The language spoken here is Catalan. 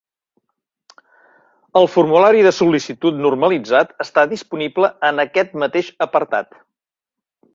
El formulari de sol·licitud normalitzat està disponible en aquest mateix apartat.